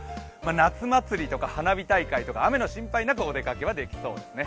夏祭りとか花火大会とか雨の心配なく、お出かけはできそうですね。